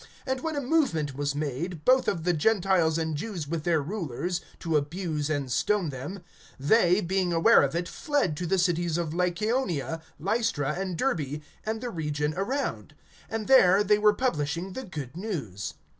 (5)And when a movement was made, both of the Gentiles and Jews with their rulers, to abuse and stone them, (6)they, being aware of it, fled to the cities of Lycaonia, Lystra and Derbe, and the region around; (7)and there they were publishing the good news.